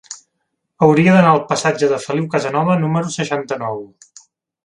Hauria d'anar al passatge de Feliu Casanova número seixanta-nou.